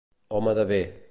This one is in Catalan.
Home de bé.